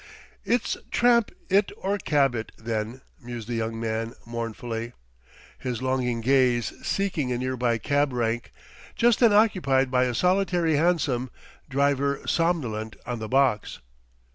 "It's tramp it or cab it, then," mused the young man mournfully, his longing gaze seeking a nearby cab rank just then occupied by a solitary hansom, driver somnolent on the box.